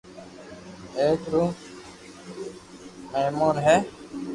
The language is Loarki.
ايڪ رو منيس ھي